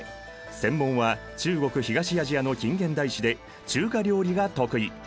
専門は中国・東アジアの近現代史で中華料理が得意。